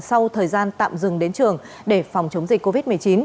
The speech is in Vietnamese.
sau thời gian tạm dừng đến trường để phòng chống dịch covid một mươi chín